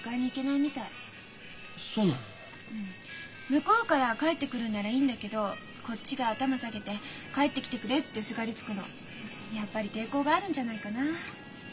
向こうから帰ってくるならいいんだけどこっちが頭下げて帰ってきてくれってすがりつくのやっぱり抵抗があるんじゃないかなあ。